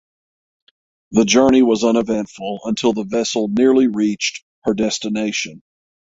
The journey was uneventful until the vessel nearly reached her destination.